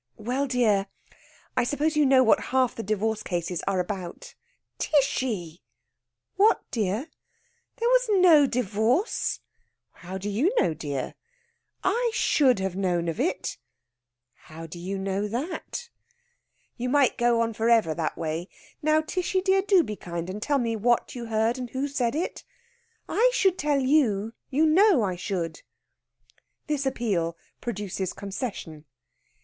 '" "Well, dear, I suppose you know what half the divorce cases are about?" "Tishy!" "What, dear?" "There was no divorce!" "How do you know, dear?" "I should have known of it." "How do you know that?" "You might go on for ever that way. Now, Tishy dear, do be kind and tell me what you heard and who said it. I should tell you. You know I should." This appeal produces concession.